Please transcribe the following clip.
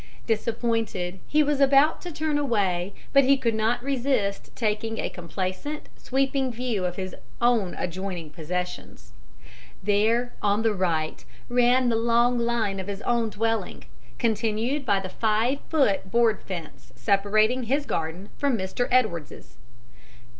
Disappointed, he was about to turn away, but he could not resist taking a complacent, sweeping view of his own adjoining possessions. There, on the right, ran the long line of his own dwelling, continued by the five foot board fence separating his garden from Mr. Edwards's.